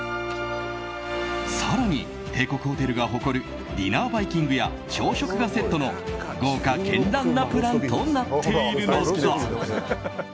更に、帝国ホテルが誇るディナーバイキングや朝食がセットの豪華絢爛なプランとなっているのだ。